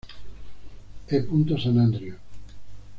E. Sant Andreu.